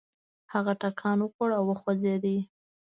هغه ټکان وخوړ او وخوځېد.